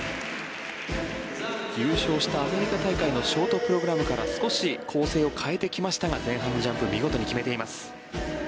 優勝したアメリカ大会のショートプログラムから少し構成を変えてきましたが前半のジャンプ見事に決めています。